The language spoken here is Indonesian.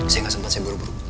saya gak sempat saya buru buru